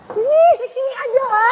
sini aja lah